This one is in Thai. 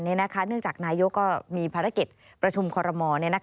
เนื่องจากนายกก็มีภารกิจประชุมคอรมอล